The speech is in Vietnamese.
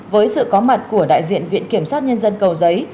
với sự có mặt của đại diện viện kiểm sát nhân dân cầu giấy